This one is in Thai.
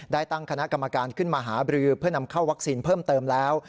ได้ตั้งคณะกรรมการขึ้นมาหาบรือเพื่อนำเข้าวัคซีนเพิ่มเติมแล้ว